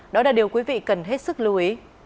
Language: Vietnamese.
đó là điều quý vị cần hết sức lưu ý